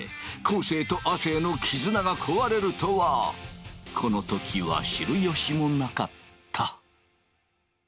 生と亜生の絆が壊れるとはこの時は知る由もなかった。